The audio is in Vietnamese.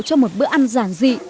cho một bữa ăn giản dị